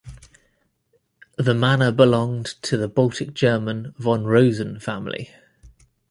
The manor belonged to the Baltic German von Rosen family.